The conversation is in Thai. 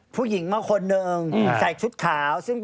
ผู้หญิงมาคนหนึ่งใส่ชุดขาว